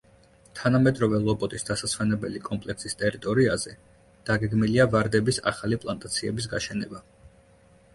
თანამედროვე ლოპოტის დასასვენებელი კომპლექსის ტერიტორიაზე დაგეგმილია ვარდების ახალი პლანტაციების გაშენება.